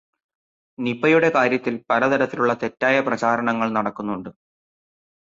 നിപയുടെ കാര്യത്തില് പലതരത്തിലുള്ള തെറ്റായ പ്രചാരണങ്ങള് നടക്കുന്നുണ്ട്.